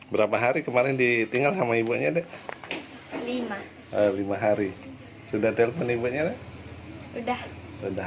berapa hari kemarin ditinggal sama ibunya dek lima lima hari sudah telepon ibunya udah udah